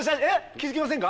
気付きませんか？